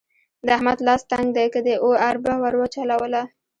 د احمد لاس تنګ دی؛ که دې اربه ور وچلوله.